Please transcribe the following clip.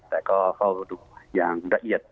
แต่ก็เฝ้าดูอย่างละเอียด